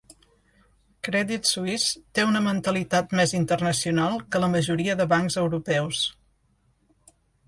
Credit Suisse té una mentalitat més internacional que la majoria de bancs europeus.